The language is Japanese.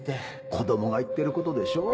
子供が言ってることでしょう